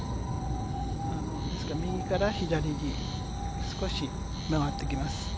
右から左に、少し曲がってきます。